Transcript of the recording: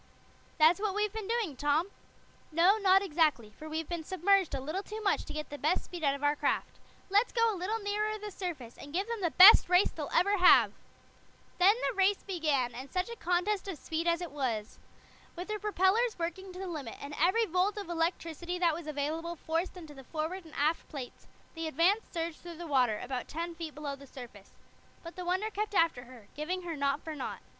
"That's what we've been doing, Tom." "No, not exactly, for we've been submerged a little too much to get the best speed out of our craft. Let's go a little nearer the surface, and give them the best race they'll ever have." Then the race began; and such a contest of speed as it was! With her propellers working to the limit, and every volt of electricity that was available forced into the forward and aft plates, the Advance surged through the water, about ten feet below the surface. But the Wonder kept after her, giving her knot for knot.